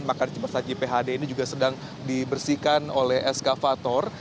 maka di jepang saja phd ini juga sedang dibersihkan oleh eskavator